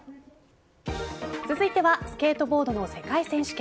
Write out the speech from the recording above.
続いてはスケートボードの世界選手権。